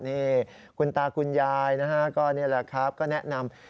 นี่คุณตาคุณยายนะฮะก็นี่แหละครับก็แนะนำ